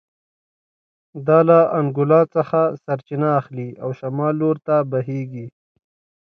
دا له انګولا څخه سرچینه اخلي او شمال لور ته بهېږي